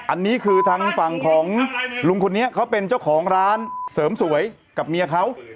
อันนี้คือทางฝั่งของลุงคนนี้เขาเป็นเจ้าของร้านเสริมสวยกับเมียเขา